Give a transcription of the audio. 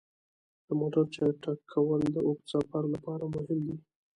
د موټر چک کول د اوږده سفر لپاره مهم دي.